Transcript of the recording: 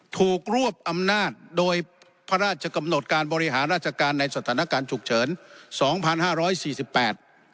รวบอำนาจโดยพระราชกำหนดการบริหารราชการในสถานการณ์ฉุกเฉินสองพันห้าร้อยสี่สิบแปด